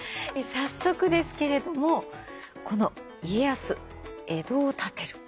早速ですけれどもこの「家康、江戸を建てる」。